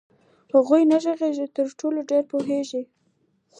هغوئ چي نه ږغيږي ترټولو ډير پوهيږي